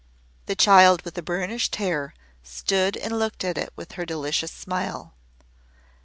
The child with the burnished hair stood and looked at it with her delicious smile.